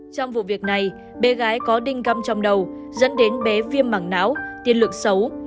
trong vụ việc này bé gái có đinh găm trong đầu dẫn đến bé viêm mảng não tiên lực xấu